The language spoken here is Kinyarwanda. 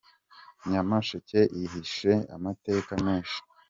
Nyamasheke ihishe amateka menshi